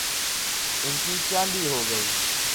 ان کی چاندی ہو گئی۔